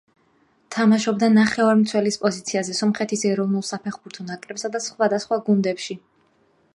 თამაშობდა ნახევარმცველის პოზიციაზე სომხეთის ეროვნულ საფეხბურთო ნაკრებსა და სხვადასხვა გუნდებში.